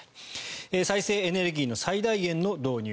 再生エネルギーの最大限の導入。